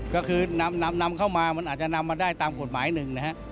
ก็คือนำเข้ามามันอาจจะนำมาได้ตามกฎหมายหนึ่งนะฮะ